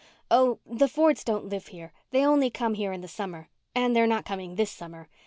"Oh, the Fords don't live here. They only come here in the summer. And they're not coming this summer.